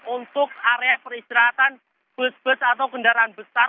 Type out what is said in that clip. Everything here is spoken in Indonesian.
untuk area peristirahatan bus bus atau kendaraan besar